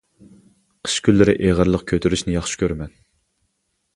قىش كۈنلىرى ئېغىرلىق كۆتۈرۈشنى ياخشى كۆرىمەن.